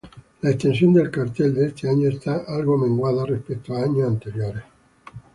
La extensión del cartel de este año está algo menguada respecto a años anteriores.